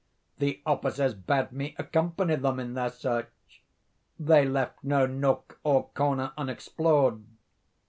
The officers bade me accompany them in their search. They left no nook or corner unexplored.